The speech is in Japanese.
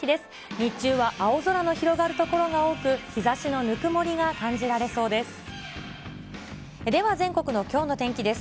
日中は青空の広がる所が多く、日ざしのぬくもりが感じられそうです。